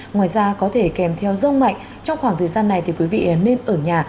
ngoài ra có thể kèm theo rông mạnh trong khoảng thời gian này thì quý vị nên ở nhà